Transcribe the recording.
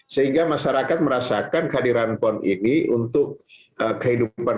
sehingga masyarakat merasakan kehadiran pon ini untuk kehidupan